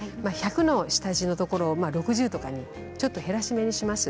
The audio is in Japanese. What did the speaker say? １００の下地のところを６０とかに減らしめにします。